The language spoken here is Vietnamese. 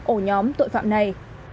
ổ nhóm tội phạm này